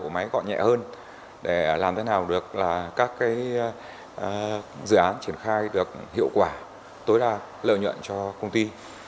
máy gọn nhẹ hơn để làm thế nào được các dự án triển khai được hiệu quả tối đa lợi nhuận cho công ty